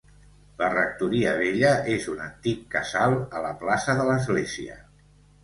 La rectoria vella és un antic casal, a la plaça de l'Església.